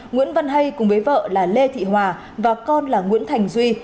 nguyễn văn hay cùng với vợ lê thị hòa và con nguyễn thành duy